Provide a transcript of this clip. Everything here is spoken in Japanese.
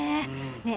ねえ